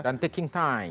dan taking time